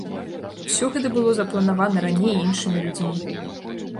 Усё гэта было запланавана раней іншымі людзьмі.